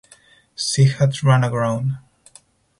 She had run aground.